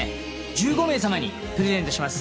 １５名様にプレゼントします。